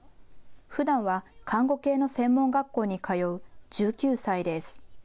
ふだんは看護系の専門学校に通う１９歳です。